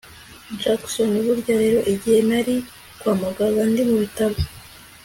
Jackson burya rero igihe nari kwa muganga ndi mubitaro